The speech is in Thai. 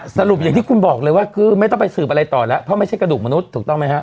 สรุปอย่างที่คุณบอกเลยว่าคือไม่ต้องไปสืบอะไรต่อแล้วเพราะไม่ใช่กระดูกมนุษย์ถูกต้องไหมฮะ